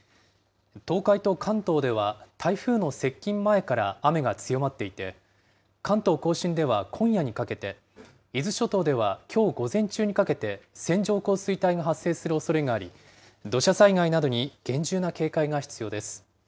東海と関東では、台風の接近前から雨が強まっていて、関東甲信では今夜にかけて、伊豆諸島ではきょう午前中にかけて、線状降水帯が発生するおそれがあり、土砂災害などに厳重な警戒が必要です。